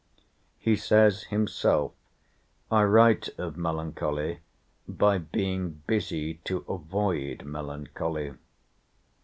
He says himself, "I write of melancholy, by being busie, to avoid melancholy."